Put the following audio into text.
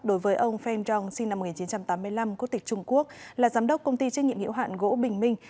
đối với ông feng yong sinh năm một nghìn chín trăm tám mươi năm quốc tịch trung quốc là giám đốc công ty trách nhiệm hiệu hạn gỗ bình minh